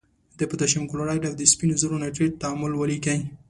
د پوتاشیم کلورایډ او د سپینو زور نایتریت تعامل ولیکئ.